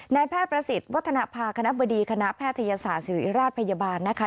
นายแพทย์ประสิทธิ์วัฒนภาคณะบดีคณะแพทยศาสตร์ศิริราชพยาบาลนะคะ